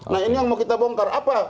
nah ini yang mau kita bongkar apa